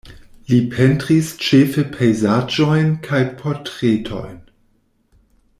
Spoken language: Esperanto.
Li pentris ĉefe pejzaĝojn kaj portretojn.